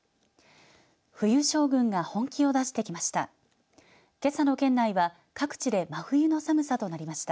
冬将軍が本気を出してきました。